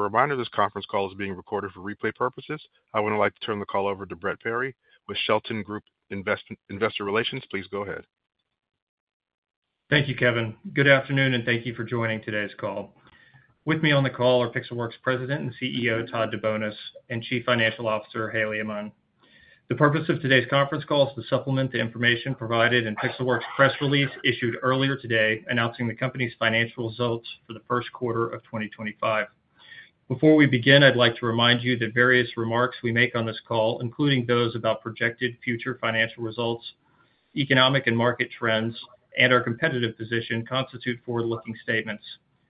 As a reminder, this conference call is being recorded for replay purposes. I would now like to turn the call over to Brett Perry with Shelton Group Investor Relations. Please go ahead. Thank you, Kevin. Good afternoon, and thank you for joining today's call. With me on the call are Pixelworks President and CEO Todd DeBonis and Chief Financial Officer Haley Aman. The purpose of today's conference call is to supplement the information provided in Pixelworks' press release issued earlier today announcing the company's financial results for the first quarter of 2025. Before we begin, I'd like to remind you that various remarks we make on this call, including those about projected future financial results, economic and market trends, and our competitive position, constitute forward-looking statements.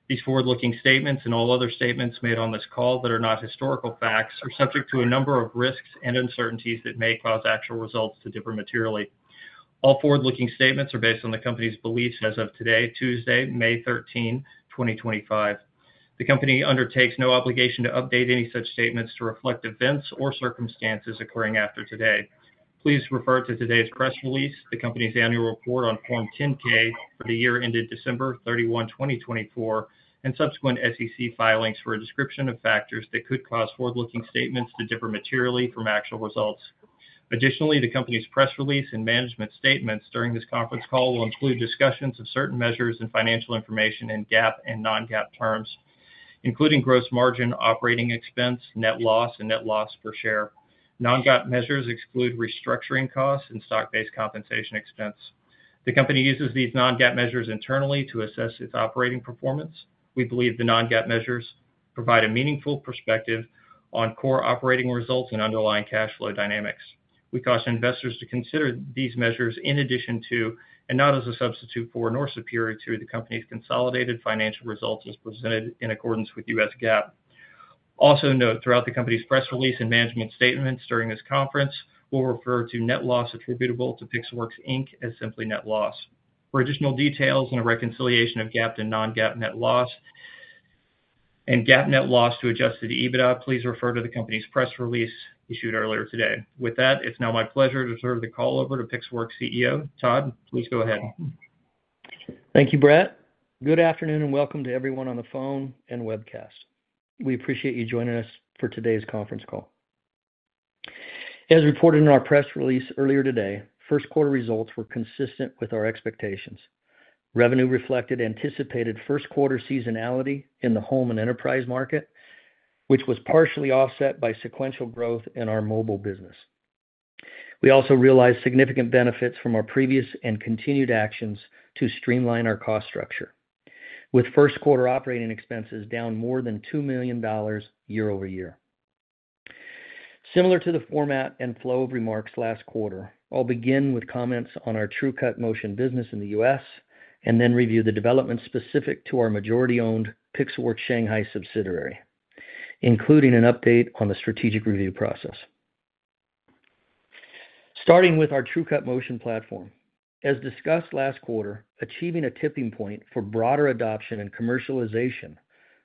These forward-looking statements and all other statements made on this call that are not historical facts are subject to a number of risks and uncertainties that may cause actual results to differ materially. All forward-looking statements are based on the company's beliefs as of today, Tuesday, May 13, 2025. The company undertakes no obligation to update any such statements to reflect events or circumstances occurring after today. Please refer to today's press release, the company's annual report on Form 10-K for the year ended December 31, 2024, and subsequent SEC filings for a description of factors that could cause forward-looking statements to differ materially from actual results. Additionally, the company's press release and management statements during this conference call will include discussions of certain measures in financial information in GAAP and non-GAAP terms, including gross margin, operating expense, net loss, and net loss per share. Non-GAAP measures exclude restructuring costs and stock-based compensation expense. The company uses these non-GAAP measures internally to assess its operating performance. We believe the non-GAAP measures provide a meaningful perspective on core operating results and underlying cash flow dynamics. We cause investors to consider these measures in addition to, and not as a substitute for, nor superior to, the company's consolidated financial results as presented in accordance with US GAAP. Also note, throughout the company's press release and management statements during this conference, we'll refer to net loss attributable to Pixelworks as simply net loss. For additional details on a reconciliation of GAAP to non-GAAP net loss and GAAP net loss to adjust to the EBITDA, please refer to the company's press release issued earlier today. With that, it's now my pleasure to turn the call over to Pixelworks CEO Todd. Please go ahead. Thank you, Brett. Good afternoon and welcome to everyone on the phone and webcast. We appreciate you joining us for today's conference call. As reported in our press release earlier today, first quarter results were consistent with our expectations. Revenue reflected anticipated first quarter seasonality in the home and enterprise market, which was partially offset by sequential growth in our mobile business. We also realized significant benefits from our previous and continued actions to streamline our cost structure, with first quarter operating expenses down more than $2 million year over year. Similar to the format and flow of remarks last quarter, I'll begin with comments on our TrueCut Motion business in the US and then review the developments specific to our majority-owned Pixelworks Shanghai subsidiary, including an update on the strategic review process. Starting with our TrueCut Motion platform, as discussed last quarter, achieving a tipping point for broader adoption and commercialization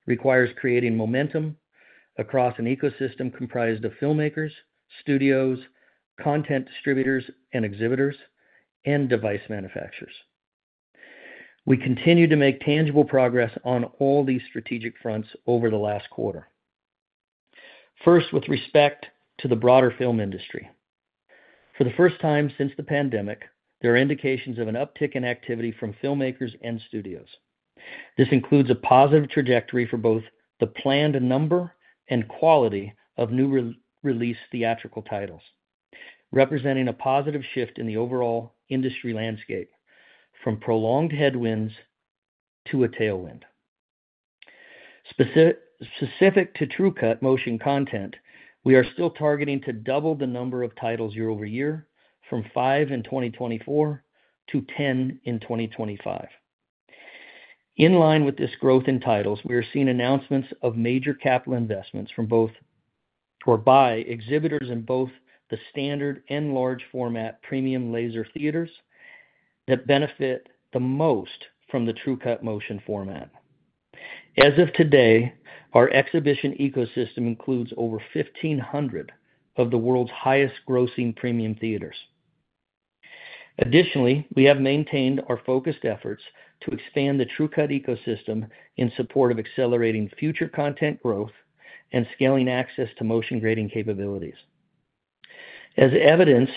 requires creating momentum across an ecosystem comprised of filmmakers, studios, content distributors and exhibitors, and device manufacturers. We continue to make tangible progress on all these strategic fronts over the last quarter. First, with respect to the broader film industry, for the first time since the pandemic, there are indications of an uptick in activity from filmmakers and studios. This includes a positive trajectory for both the planned number and quality of newly released theatrical titles, representing a positive shift in the overall industry landscape from prolonged headwinds to a tailwind. Specific to TrueCut Motion content, we are still targeting to double the number of titles year over year, from 5 in 2024 to 10 in 2025. In line with this growth in titles, we are seeing announcements of major capital investments from exhibitors in both the standard and large format premium laser theaters that benefit the most from the TrueCut Motion format. As of today, our exhibition ecosystem includes over 1,500 of the world's highest grossing premium theaters. Additionally, we have maintained our focused efforts to expand the TrueCut ecosystem in support of accelerating future content growth and scaling access to motion grading capabilities. As evidence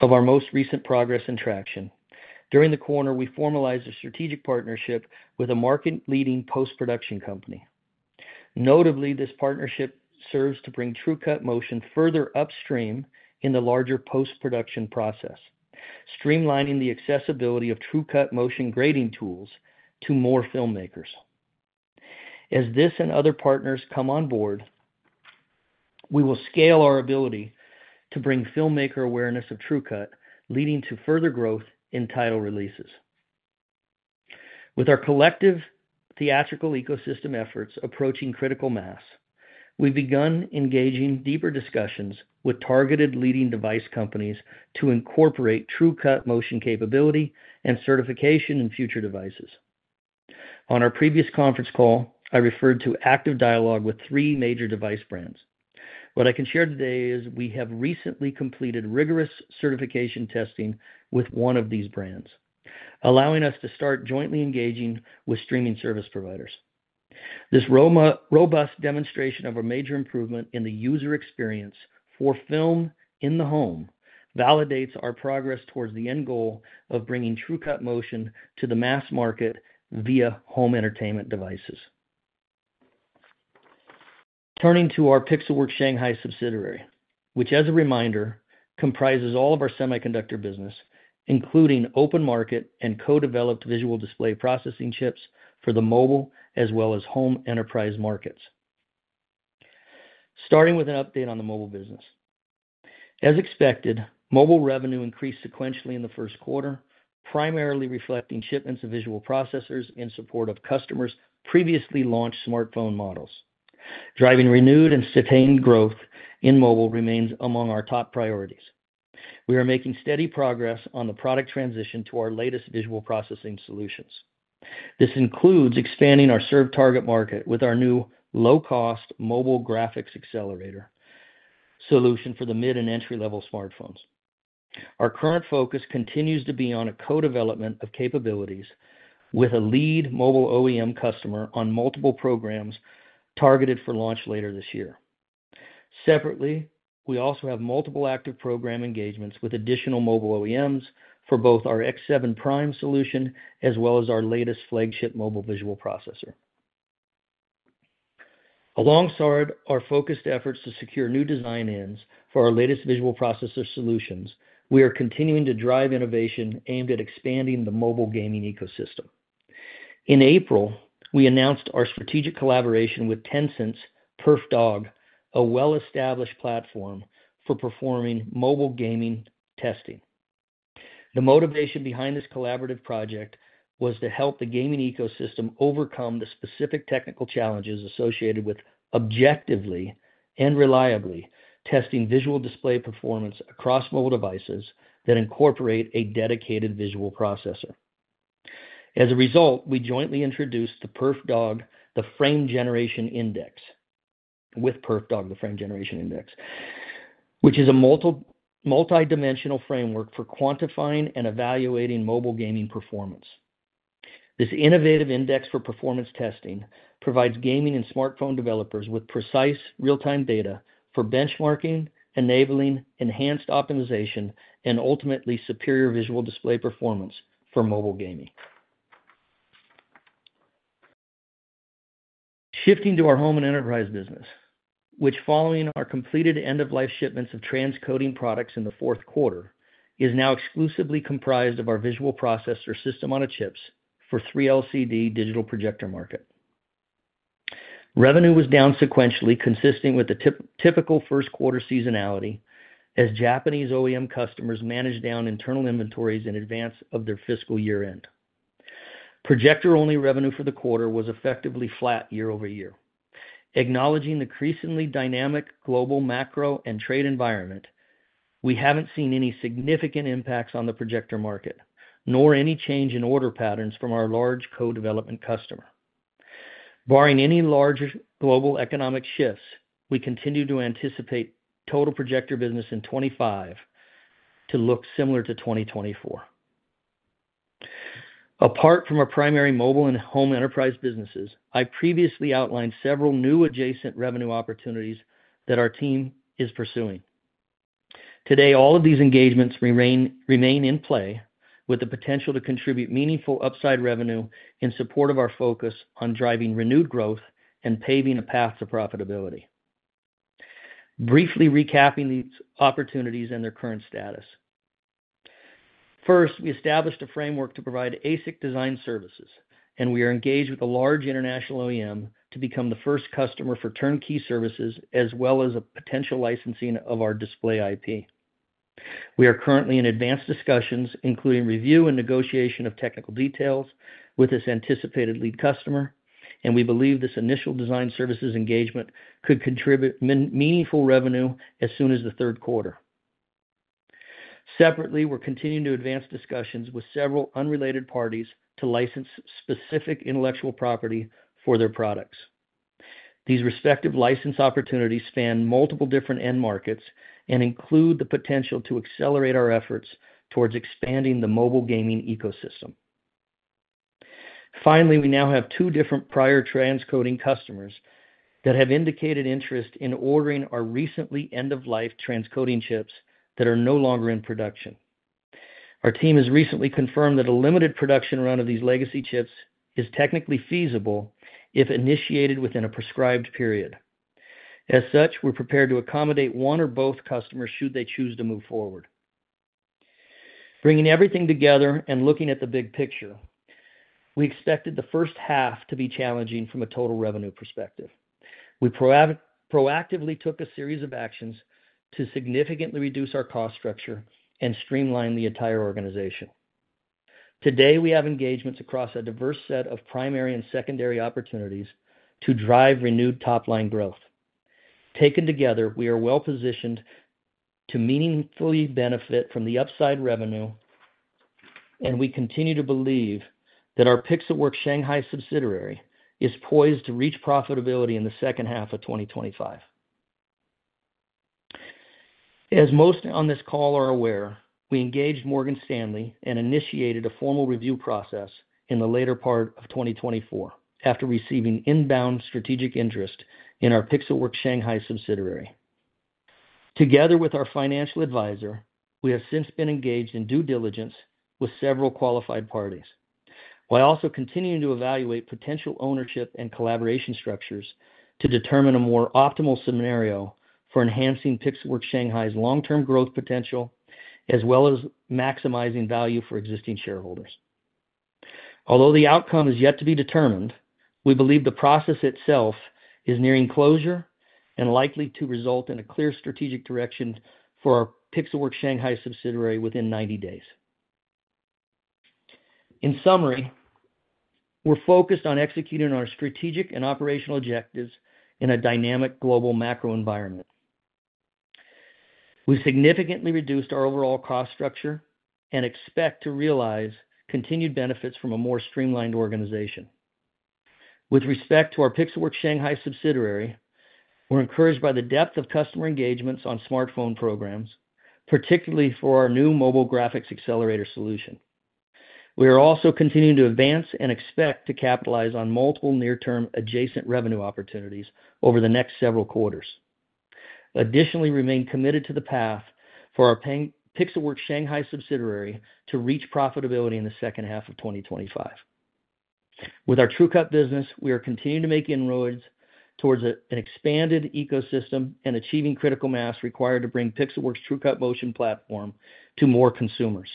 of our most recent progress and traction, during the quarter, we formalized a strategic partnership with a market-leading post-production company. Notably, this partnership serves to bring TrueCut Motion further upstream in the larger post-production process, streamlining the accessibility of TrueCut Motion grading tools to more filmmakers. As this and other partners come on board, we will scale our ability to bring filmmaker awareness of TrueCut, leading to further growth in title releases. With our collective theatrical ecosystem efforts approaching critical mass, we have begun engaging deeper discussions with targeted leading device companies to incorporate TrueCut Motion capability and certification in future devices. On our previous conference call, I referred to active dialogue with three major device brands. What I can share today is we have recently completed rigorous certification testing with one of these brands, allowing us to start jointly engaging with streaming service providers. This robust demonstration of a major improvement in the user experience for film in the home validates our progress towards the end goal of bringing TrueCut Motion to the mass market via home entertainment devices. Turning to our Pixelworks Shanghai subsidiary, which, as a reminder, comprises all of our semiconductor business, including open market and co-developed visual display processing chips for the mobile as well as home enterprise markets. Starting with an update on the mobile business. As expected, mobile revenue increased sequentially in the first quarter, primarily reflecting shipments of visual processors in support of customers' previously launched smartphone models. Driving renewed and sustained growth in mobile remains among our top priorities. We are making steady progress on the product transition to our latest visual processing solutions. This includes expanding our serve target market with our new low-cost mobile graphics accelerator solution for the mid and entry-level smartphones. Our current focus continues to be on a co-development of capabilities with a lead mobile OEM customer on multiple programs targeted for launch later this year. Separately, we also have multiple active program engagements with additional mobile OEMs for both our X7 Prime solution as well as our latest flagship mobile visual processor. Alongside our focused efforts to secure new design ins for our latest visual processor solutions, we are continuing to drive innovation aimed at expanding the mobile gaming ecosystem. In April, we announced our strategic collaboration with Tencent's PerfDog, a well-established platform for performing mobile gaming testing. The motivation behind this collaborative project was to help the gaming ecosystem overcome the specific technical challenges associated with objectively and reliably testing visual display performance across mobile devices that incorporate a dedicated visual processor. As a result, we jointly introduced the PerfDog Frame Generation Index, which is a multidimensional framework for quantifying and evaluating mobile gaming performance. This innovative index for performance testing provides gaming and smartphone developers with precise real-time data for benchmarking, enabling enhanced optimization, and ultimately superior visual display performance for mobile gaming. Shifting to our home and enterprise business, which, following our completed end-of-life shipments of transcoding products in the fourth quarter, is now exclusively comprised of our visual processor SoCs for the 3LCD digital projector market. Revenue was down sequentially, consistent with the typical first quarter seasonality, as Japanese OEM customers managed down internal inventories in advance of their fiscal year-end. Projector-only revenue for the quarter was effectively flat year over year. Acknowledging the increasingly dynamic global macro and trade environment, we have not seen any significant impacts on the projector market, nor any change in order patterns from our large co-development customer. Barring any larger global economic shifts, we continue to anticipate total projector business in 2025 to look similar to 2024. Apart from our primary mobile and home enterprise businesses, I previously outlined several new adjacent revenue opportunities that our team is pursuing. Today, all of these engagements remain in play with the potential to contribute meaningful upside revenue in support of our focus on driving renewed growth and paving a path to profitability. Briefly recapping these opportunities and their current status. First, we established a framework to provide ASIC design services, and we are engaged with a large international OEM to become the first customer for turnkey services as well as a potential licensing of our display IP. We are currently in advanced discussions, including review and negotiation of technical details with this anticipated lead customer, and we believe this initial design services engagement could contribute meaningful revenue as soon as the third quarter. Separately, we're continuing to advance discussions with several unrelated parties to license specific intellectual property for their products. These respective license opportunities span multiple different end markets and include the potential to accelerate our efforts towards expanding the mobile gaming ecosystem. Finally, we now have two different prior transcoding customers that have indicated interest in ordering our recently end-of-life transcoding chips that are no longer in production. Our team has recently confirmed that a limited production run of these legacy chips is technically feasible if initiated within a prescribed period. As such, we're prepared to accommodate one or both customers should they choose to move forward. Bringing everything together and looking at the big picture, we expected the first half to be challenging from a total revenue perspective. We proactively took a series of actions to significantly reduce our cost structure and streamline the entire organization. Today, we have engagements across a diverse set of primary and secondary opportunities to drive renewed top-line growth. Taken together, we are well-positioned to meaningfully benefit from the upside revenue, and we continue to believe that our Pixelworks Shanghai subsidiary is poised to reach profitability in the second half of 2025. As most on this call are aware, we engaged Morgan Stanley and initiated a formal review process in the later part of 2024 after receiving inbound strategic interest in our Pixelworks Shanghai subsidiary. Together with our financial advisor, we have since been engaged in due diligence with several qualified parties, while also continuing to evaluate potential ownership and collaboration structures to determine a more optimal scenario for enhancing Pixelworks Shanghai's long-term growth potential, as well as maximizing value for existing shareholders. Although the outcome is yet to be determined, we believe the process itself is nearing closure and likely to result in a clear strategic direction for our Pixelworks Shanghai subsidiary within 90 days. In summary, we're focused on executing our strategic and operational objectives in a dynamic global macro environment. We've significantly reduced our overall cost structure and expect to realize continued benefits from a more streamlined organization. With respect to our Pixelworks Shanghai subsidiary, we're encouraged by the depth of customer engagements on smartphone programs, particularly for our new mobile graphics accelerator solution. We are also continuing to advance and expect to capitalize on multiple near-term adjacent revenue opportunities over the next several quarters. Additionally, we remain committed to the path for our Pixelworks Shanghai subsidiary to reach profitability in the second half of 2025. With our TrueCut business, we are continuing to make inroads towards an expanded ecosystem and achieving critical mass required to bring Pixelworks TrueCut Motion platform to more consumers,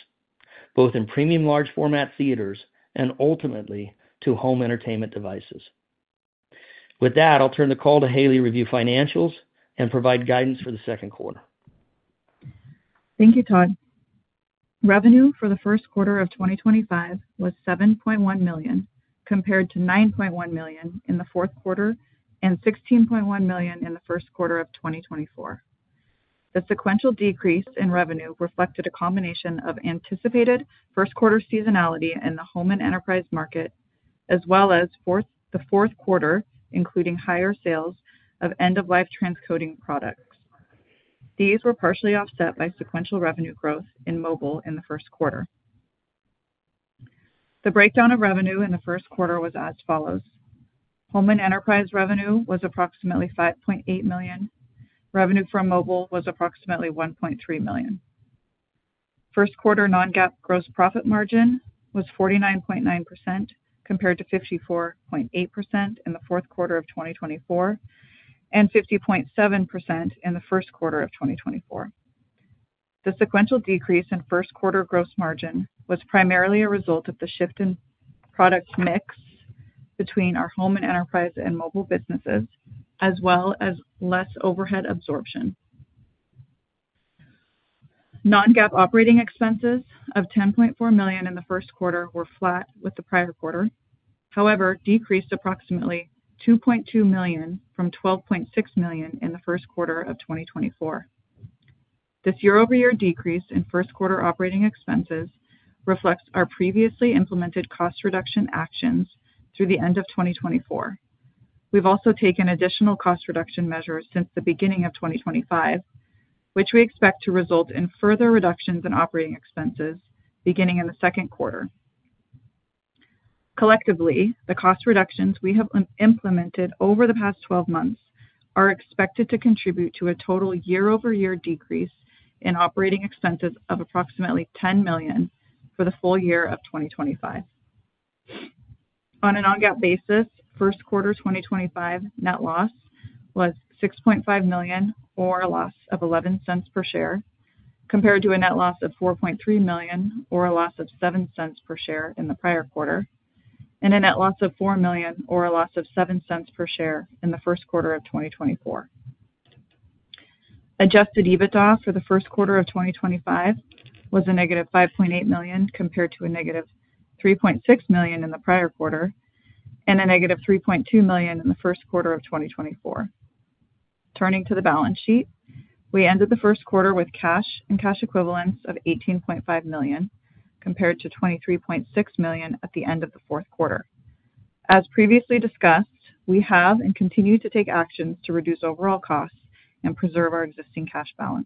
both in premium large format theaters and ultimately to home entertainment devices. With that, I'll turn the call to Haley to review financials and provide guidance for the second quarter. Thank you, Todd. Revenue for the first quarter of 2025 was $7.1 million compared to $9.1 million in the fourth quarter and $16.1 million in the first quarter of 2024. The sequential decrease in revenue reflected a combination of anticipated first-quarter seasonality in the home and enterprise market, as well as the fourth quarter including higher sales of end-of-life transcoding products. These were partially offset by sequential revenue growth in mobile in the first quarter. The breakdown of revenue in the first quarter was as follows: Home and enterprise revenue was approximately $5.8 million. Revenue from mobile was approximately $1.3 million. First-quarter non-GAAP gross profit margin was 49.9% compared to 54.8% in the fourth quarter of 2024 and 50.7% in the first quarter of 2024. The sequential decrease in first-quarter gross margin was primarily a result of the shift in product mix between our home and enterprise and mobile businesses, as well as less overhead absorption. Non-GAAP operating expenses of $10.4 million in the first quarter were flat with the prior quarter. However, decreased approximately $2.2 million from $12.6 million in the first quarter of 2024. This year-over-year decrease in first-quarter operating expenses reflects our previously implemented cost reduction actions through the end of 2024. We've also taken additional cost reduction measures since the beginning of 2025, which we expect to result in further reductions in operating expenses beginning in the second quarter. Collectively, the cost reductions we have implemented over the past 12 months are expected to contribute to a total year-over-year decrease in operating expenses of approximately $10 million for the full year of 2025. On a non-GAAP basis, first quarter 2025 net loss was $6.5 million or a loss of $0.11 per share compared to a net loss of $4.3 million or a loss of $0.07 per share in the prior quarter, and a net loss of $4 million or a loss of $0.07 per share in the first quarter of 2024. Adjusted EBITDA for the first quarter of 2025 was a negative $5.8 million compared to a negative $3.6 million in the prior quarter and a negative $3.2 million in the first quarter of 2024. Turning to the balance sheet, we ended the first quarter with cash and cash equivalents of $18.5 million compared to $23.6 million at the end of the fourth quarter. As previously discussed, we have and continue to take actions to reduce overall costs and preserve our existing cash balance.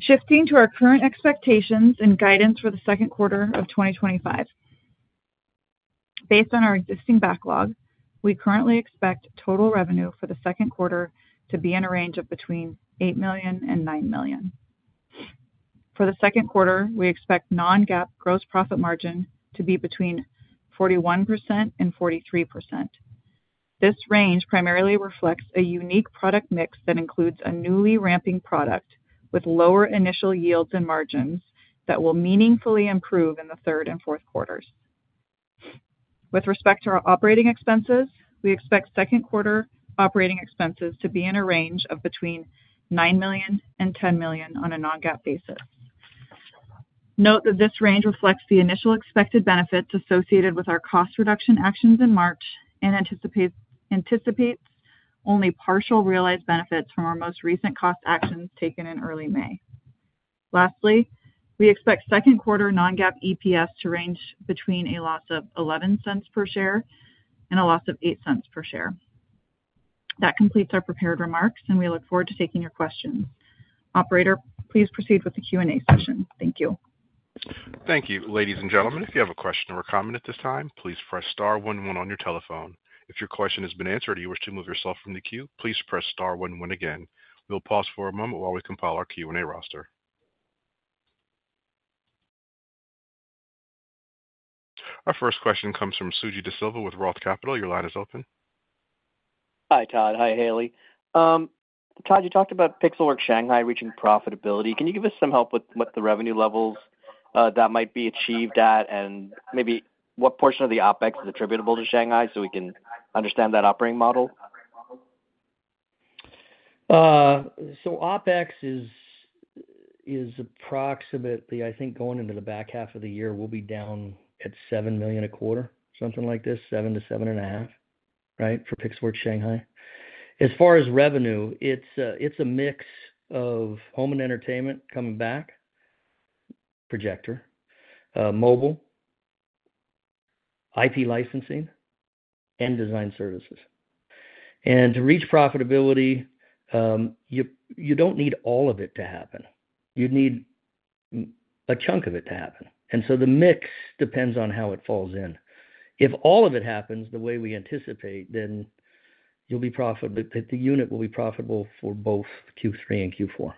Shifting to our current expectations and guidance for the second quarter of 2025. Based on our existing backlog, we currently expect total revenue for the second quarter to be in a range of between $8 million and $9 million. For the second quarter, we expect non-GAAP gross profit margin to be between 41% and 43%. This range primarily reflects a unique product mix that includes a newly ramping product with lower initial yields and margins that will meaningfully improve in the third and fourth quarters. With respect to our operating expenses, we expect second quarter operating expenses to be in a range of between $9 million and $10 million on a non-GAAP basis. Note that this range reflects the initial expected benefits associated with our cost reduction actions in March and anticipates only partial realized benefits from our most recent cost actions taken in early May. Lastly, we expect second quarter non-GAAP EPS to range between a loss of $0.11 per share and a loss of $0.08 per share. That completes our prepared remarks, and we look forward to taking your questions. Operator, please proceed with the Q&A session. Thank you. Thank you, ladies and gentlemen. If you have a question or a comment at this time, please press star 11 on your telephone. If your question has been answered or you wish to remove yourself from the queue, please press star 11 again. We'll pause for a moment while we compile our Q&A roster. Our first question comes from Suji DeSilva with Roth Capital. Your line is open. Hi, Todd. Hi, Haley. Todd, you talked about Pixelworks Shanghai reaching profitability. Can you give us some help with what the revenue levels that might be achieved at and maybe what portion of the OpEx is attributable to Shanghai so we can understand that operating model? OpEx is approximately, I think going into the back half of the year, we'll be down at $7 million a quarter, something like this, $7 million-$7.5 million, right, for Pixelworks Shanghai. As far as revenue, it's a mix of home and entertainment coming back, projector, mobile, IP licensing, and design services. To reach profitability, you don't need all of it to happen. You'd need a chunk of it to happen. The mix depends on how it falls in. If all of it happens the way we anticipate, then you'll be profitable. The unit will be profitable for both Q3 and Q4.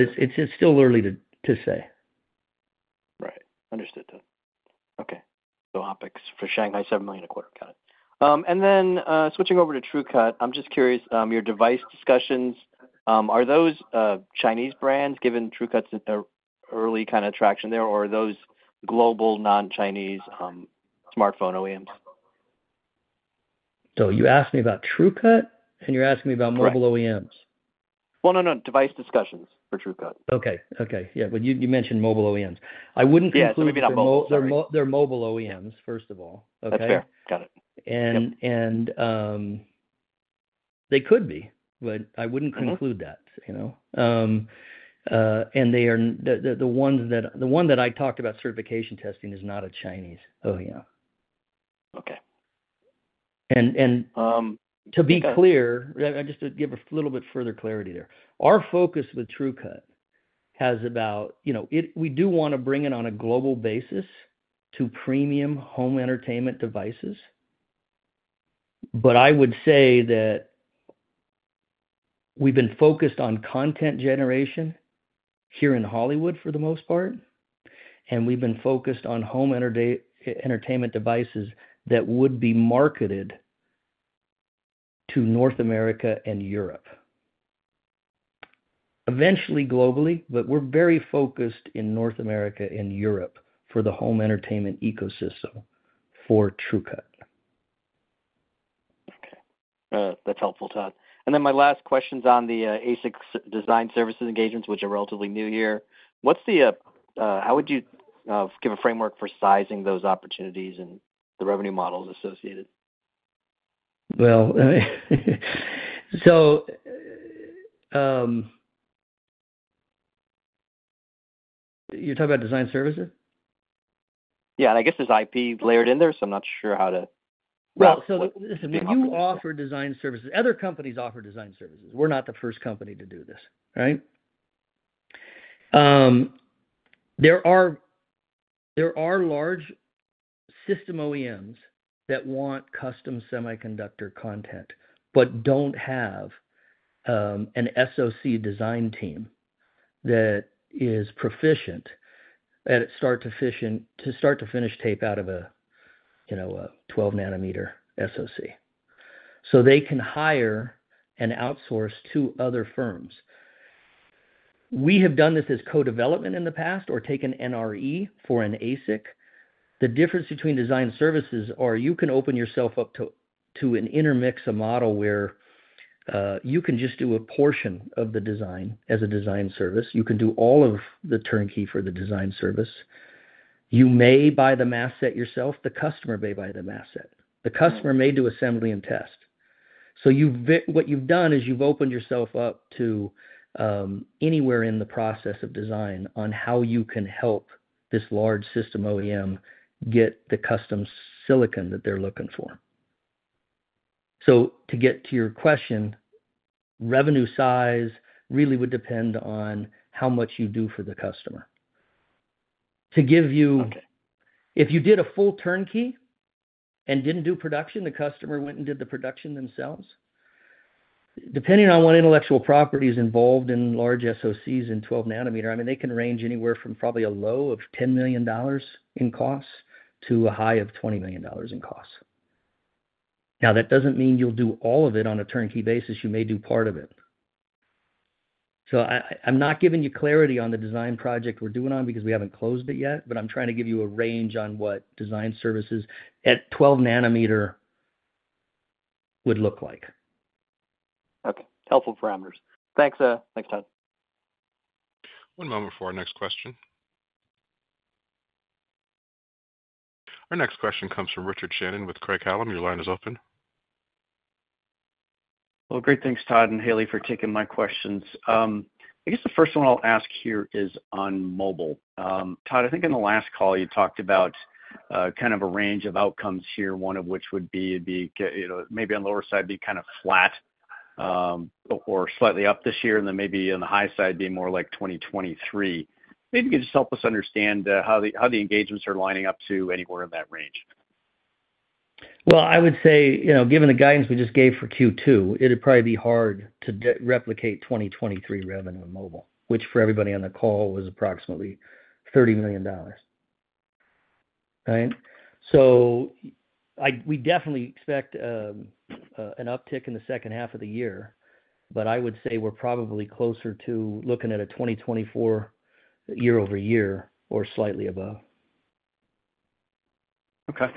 It's still early to say. Right. Understood, Todd. Okay. So OpEx for Shanghai, $7 million a quarter. Got it. And then switching over to TrueCut, I'm just curious, your device discussions, are those Chinese brands given TrueCut's early kind of traction there, or are those global non-Chinese smartphone OEMs? You asked me about TrueCut, and you're asking me about mobile OEMs? No, no, device discussions for TrueCut. Okay. Yeah. But you mentioned mobile OEMs. I wouldn't conclude that they're mobile OEMs, first of all. That's fair. Got it. And they could be, but I wouldn't conclude that. And the ones that I talked about, certification testing, is not a Chinese OEM. To be clear, just to give a little bit further clarity there, our focus with TrueCut has about we do want to bring it on a global basis to premium home entertainment devices. I would say that we've been focused on content generation here in Hollywood for the most part, and we've been focused on home entertainment devices that would be marketed to North America and Europe. Eventually, globally, but we're very focused in North America and Europe for the home entertainment ecosystem for TrueCut. That's helpful, Todd. My last question's on the ASIC design services engagements, which are relatively new here. How would you give a framework for sizing those opportunities and the revenue models associated? You're talking about design services? Yeah. I guess there's IP layered in there, so I'm not sure how to. Listen, we do offer design services. Other companies offer design services. We're not the first company to do this, right? There are large system OEMs that want custom semiconductor content but do not have an SoC design team that is proficient at start to finish tape out of a 12-nanometer SoC. They can hire and outsource to other firms. We have done this as co-development in the past or taken NRE for an ASIC. The difference between design services is you can open yourself up to an intermix of model where you can just do a portion of the design as a design service. You can do all of the turnkey for the design service. You may buy the mass set yourself. The customer may buy the mass set. The customer may do assembly and test. What you have done is you have opened yourself up to anywhere in the process of design on how you can help this large system OEM get the custom silicon that they are looking for. To get to your question, revenue size really would depend on how much you do for the customer. If you did a full turnkey and did not do production, the customer went and did the production themselves. Depending on what intellectual property is involved in large SoCs and 12-nanometer, I mean, they can range anywhere from probably a low of $10 million in cost to a high of $20 million in cost. Now, that does not mean you will do all of it on a turnkey basis. You may do part of it. I am not giving you clarity on the design project we are doing on because we have not closed it yet, but I am trying to give you a range on what design services at 12-nanometer would look like. Okay. Helpful parameters. Thanks, Todd. One moment for our next question. Our next question comes from Richard Shannon with Craig-Hallum. Your line is open. Great.Thanks, Todd and Haley, for taking my questions. I guess the first one I'll ask here is on mobile. Todd, I think in the last call, you talked about kind of a range of outcomes here, one of which would be maybe on the lower side be kind of flat or slightly up this year, and then maybe on the high side be more like 2023. Maybe you could just help us understand how the engagements are lining up to anywhere in that range. I would say given the guidance we just gave for Q2, it would probably be hard to replicate 2023 revenue in mobile, which for everybody on the call was approximately $30 million. Right? We definitely expect an uptick in the second half of the year, but I would say we're probably closer to looking at a 2024 year-over-year or slightly above. Okay.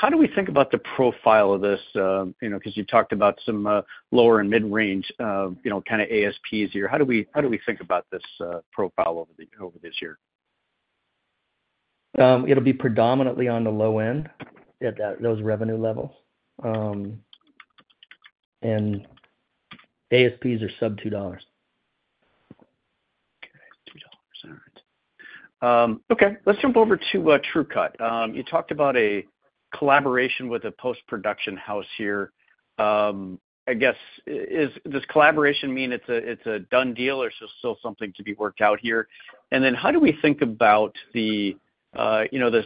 How do we think about the profile of this? Because you talked about some lower and mid-range kind of ASPs here. How do we think about this profile over this year? It'll be predominantly on the low end at those revenue levels. And ASPs are sub $2. Okay. $2. All right. Okay. Let's jump over to TrueCut. You talked about a collaboration with a post-production house here. I guess, does collaboration mean it's a done deal or is there still something to be worked out here? How do we think about this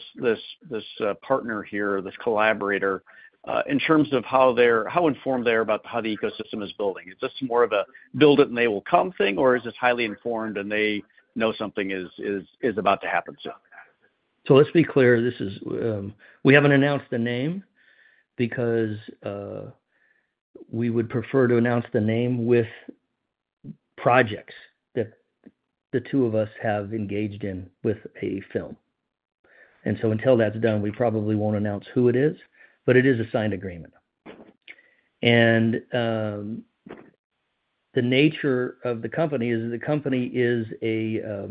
partner here, this collaborator, in terms of how informed they are about how the ecosystem is building? Is this more of a build it and they will come thing, or is this highly informed and they know something is about to happen soon? Let's be clear. We haven't announced the name because we would prefer to announce the name with projects that the two of us have engaged in with a film. Until that's done, we probably won't announce who it is, but it is a signed agreement. The nature of the company is the company is a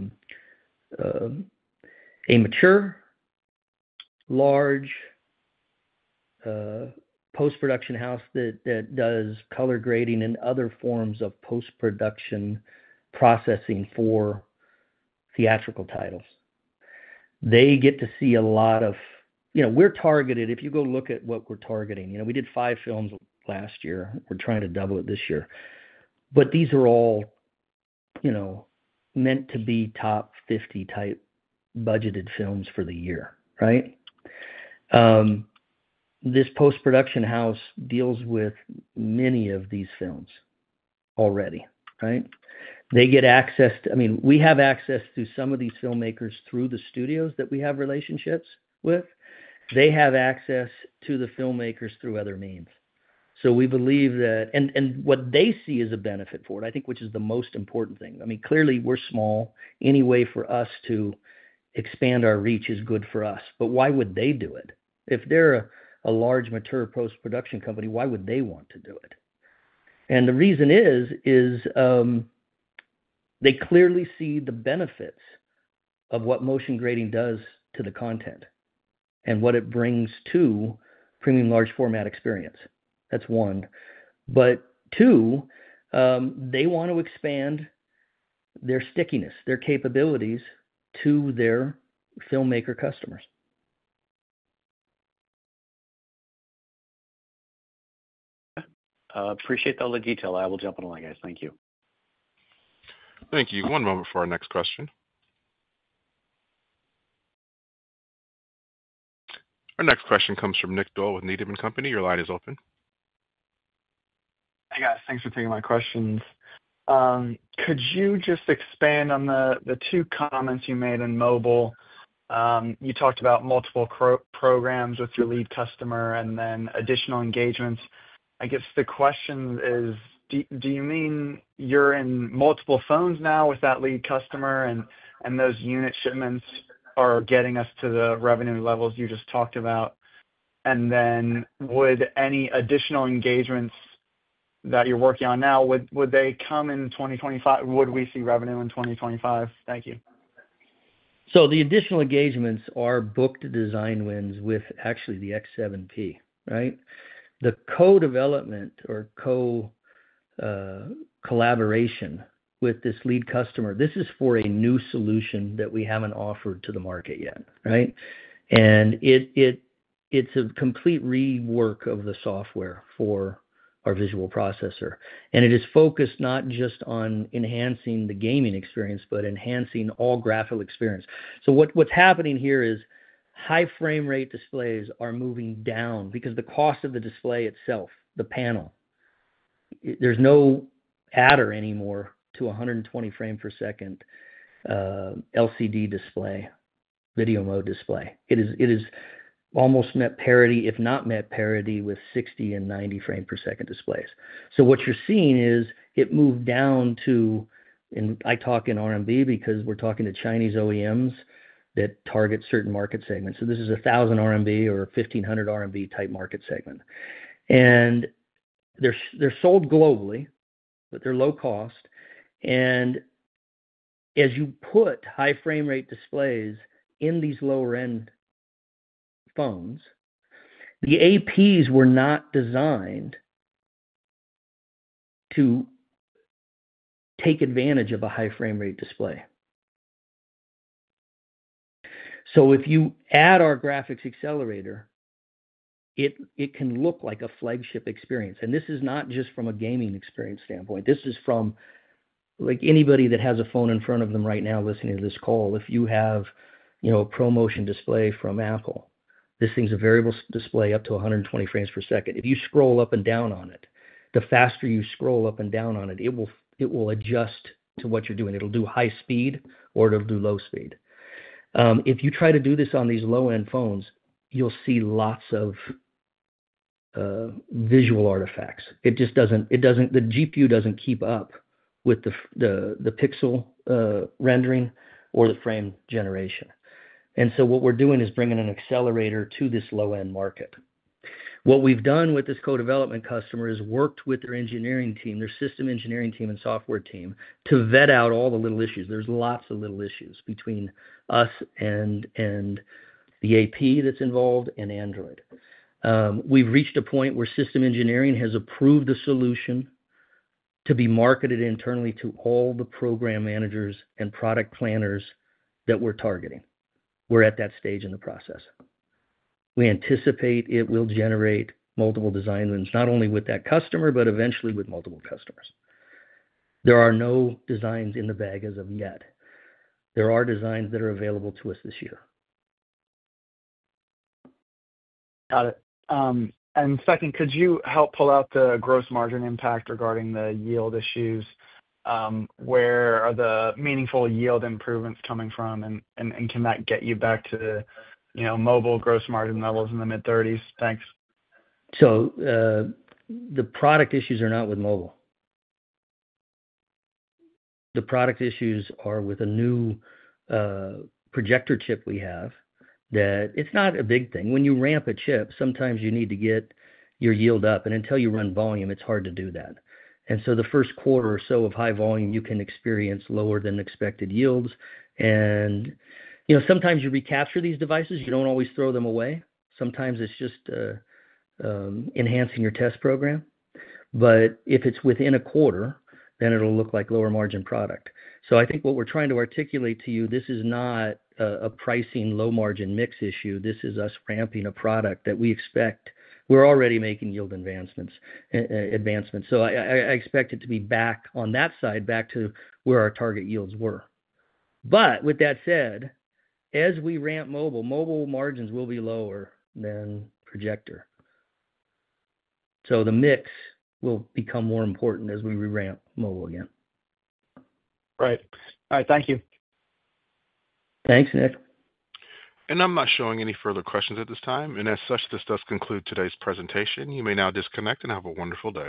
mature, large post-production house that does color grading and other forms of post-production processing for theatrical titles. They get to see a lot of what we're targeted. If you go look at what we're targeting, we did five films last year. We're trying to double it this year. These are all meant to be top 50 type budgeted films for the year, right? This post-production house deals with many of these films already, right? They get access to, I mean, we have access to some of these filmmakers through the studios that we have relationships with. They have access to the filmmakers through other means. We believe that, and what they see as a benefit for it, I think, which is the most important thing. I mean, clearly, we're small. Any way for us to expand our reach is good for us. Why would they do it? If they're a large, mature post-production company, why would they want to do it? The reason is they clearly see the benefits of what motion grading does to the content and what it brings to premium large format experience. That's one. Two, they want to expand their stickiness, their capabilities to their filmmaker customers. Okay. Appreciate all the detail. I will jump on the line, guys. Thank you. Thank you. One moment for our next question. Our next question comes from Nick Dole with Native & Company. Your line is open. Hey, guys. Thanks for taking my questions. Could you just expand on the two comments you made on mobile? You talked about multiple programs with your lead customer and then additional engagements. I guess the question is, do you mean you're in multiple phones now with that lead customer and those unit shipments are getting us to the revenue levels you just talked about? Would any additional engagements that you're working on now, would they come in 2025? Would we see revenue in 2025? Thank you. The additional engagements are booked design wins with actually the X7P, right? The co-development or co-collaboration with this lead customer, this is for a new solution that we haven't offered to the market yet, right? It is a complete rework of the software for our visual processor. It is focused not just on enhancing the gaming experience, but enhancing all graphical experience. What is happening here is high frame rate displays are moving down because the cost of the display itself, the panel, there is no adder anymore to 120 frames per second LCD display, video mode display. It has almost met parity, if not met parity, with 60 and 90 frames per second displays. What you are seeing is it moved down to, and I talk in RMB because we are talking to Chinese OEMs that target certain market segments. This is a 1,000 RMB or 1,500 RMB type market segment. They are sold globally, but they are low cost. As you put high frame rate displays in these lower-end phones, the APs were not designed to take advantage of a high frame rate display. If you add our graphics accelerator, it can look like a flagship experience. This is not just from a gaming experience standpoint. This is from anybody that has a phone in front of them right now listening to this call. If you have a ProMotion display from Apple, this thing is a variable display up to 120 frames per second. If you scroll up and down on it, the faster you scroll up and down on it, it will adjust to what you are doing. It will do high speed or it will do low speed. If you try to do this on these low-end phones, you will see lots of visual artifacts. It just does not—the GPU does not keep up with the pixel rendering or the frame generation. What we are doing is bringing an accelerator to this low-end market. What we have done with this co-development customer is worked with their engineering team, their system engineering team and software team to vet out all the little issues. There are lots of little issues between us and the AP that is involved and Android. We have reached a point where system engineering has approved the solution to be marketed internally to all the program managers and product planners that we are targeting. We are at that stage in the process. We anticipate it will generate multiple design wins, not only with that customer, but eventually with multiple customers. There are no designs in the bag as of yet. There are designs that are available to us this year. Got it. Could you help pull out the gross margin impact regarding the yield issues? Where are the meaningful yield improvements coming from? Can that get you back to mobile gross margin levels in the mid-30%? Thanks. The product issues are not with mobile. The product issues are with a new projector chip we have that it's not a big thing. When you ramp a chip, sometimes you need to get your yield up. Until you run volume, it's hard to do that. The first quarter or so of high volume, you can experience lower than expected yields. Sometimes you recapture these devices. You do not always throw them away. Sometimes it's just enhancing your test program. If it's within a quarter, then it'll look like lower margin product. I think what we're trying to articulate to you, this is not a pricing low margin mix issue. This is us ramping a product that we expect we're already making yield advancements. I expect it to be back on that side, back to where our target yields were. With that said, as we ramp mobile, mobile margins will be lower than projector. The mix will become more important as we ramp mobile again. Right. All right. Thank you. Thanks, Nick. I'm not showing any further questions at this time. As such, this does conclude today's presentation. You may now disconnect and have a wonderful day.